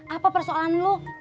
apa persoalan lu